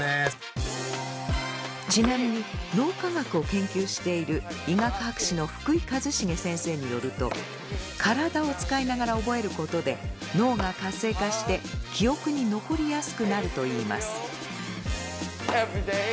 ちなみに脳科学を研究している医学博士の福井一成先生によると体を使いながら覚えることで脳が活性化して記憶に残りやすくなるといいます。